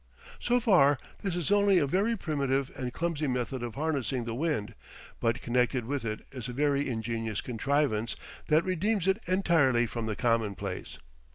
So far, this is only a very primitive and clumsy method of harnessing the wind; but connected with it is a very ingenious contrivance that redeems it entirely from the commonplace.